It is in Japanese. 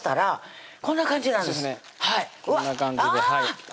こんな感じであぁ！